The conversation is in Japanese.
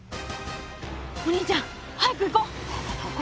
お兄ちゃん早く行こう！